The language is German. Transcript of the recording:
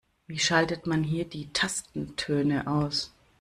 Wie schaltet man hier die Tastentöne aus?